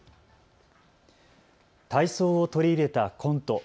体操を取り入れたコント。